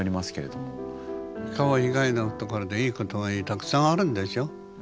顔以外のところでいいことはたくさんあるんでしょ。